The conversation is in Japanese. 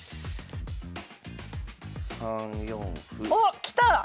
おっきた！